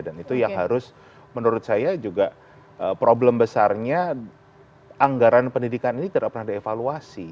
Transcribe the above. dan itu yang harus menurut saya juga problem besarnya anggaran pendidikan ini tidak pernah dievaluasi